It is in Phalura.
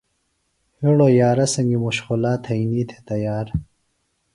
ہِڑوۡ یارہ سنگیۡ مشقولا تھئنی تھے تیار۔